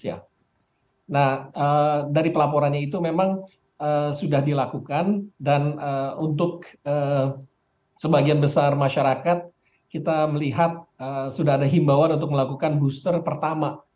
nah dari pelaporannya itu memang sudah dilakukan dan untuk sebagian besar masyarakat kita melihat sudah ada himbawan untuk melakukan booster pertama